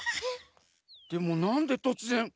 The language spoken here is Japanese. でもなんでとつぜん旅に？